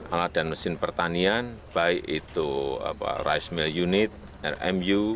alat dan mesin pertanian baik itu rice mill unit rmu